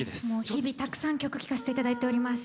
日々たくさん曲聴かせていただいております。